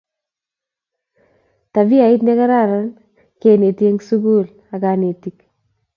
tabiait nekararan keneti en suku ak konetik